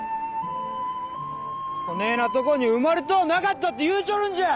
こねぇなとこに生まれとうなかったって言うちょるんじゃ！